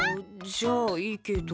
じゃあいいけど。